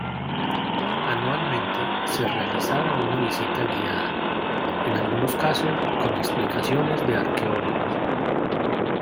Anualmente se realizaba una visita guiada, en algunos casos con explicaciones de arqueólogos.